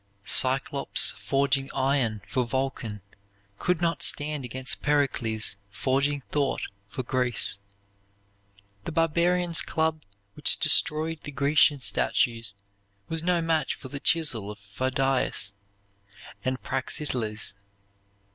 "Cyclops forging iron for Vulcan could not stand against Pericles forging thought for Greece." The barbarian's club which destroyed the Grecian statues was no match for the chisel of Phidias and Praxiteles.